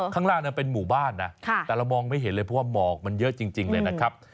ข้างล่างนั้นเป็นหมู่บ้านนะแต่เรามองไม่เห็นเลยเพราะว่าหมอกมันเยอะจริงเลยนะครับ